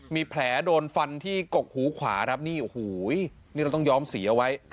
มีแผลโดนฟันที่กกหูขวาครับนี่โอ้โหนี่เราต้องย้อมสีเอาไว้